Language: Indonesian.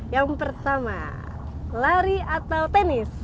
yang pertama lari atau tenis